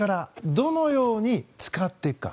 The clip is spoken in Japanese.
どのように使っていくか。